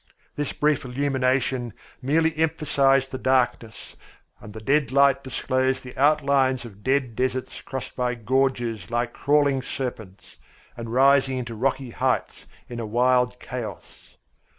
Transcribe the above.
This brief illumination merely emphasised the darkness; and the dead light disclosed the outlines of dead deserts crossed by gorges like crawling serpents, and rising into rocky heights in a wild chaos.